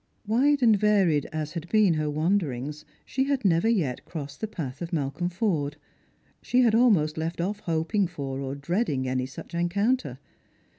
Wide and varied as had been her wanderings, she had never yet crossed the path of Malcolm Forde. She had almost left off hoping for or dreading any such encounter.